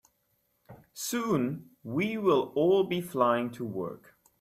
Soon, we will all be flying to work.